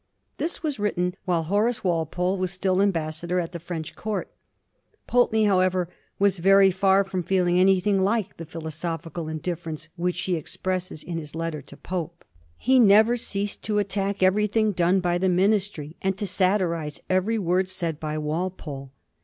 This was written while Horace Walpole was still Ambassador at the French Court. Pulteney, however, was very far from feeling anything like the philosophical indif ference which he expressed in his letter to Pope. He never ceased to attack everything done by the Ministry, and to satirise every word said by Walpole.